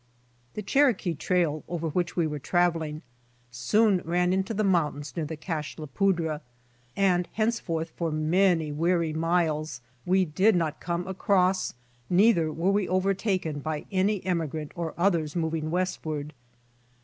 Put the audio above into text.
The Cherokee trail, over which we were traveling, soon ran into the mountains near the Cache la Poudre, and henceforth for many weary miles we did not come across, neither were we overtaken by any emigrant or others moving westward.